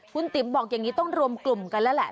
คุณติ๋มบอกอย่างนี้ต้องรวมกลุ่มกันแล้วแหละ